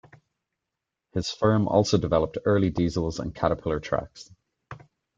His firm also developed early diesels and caterpillar tracks.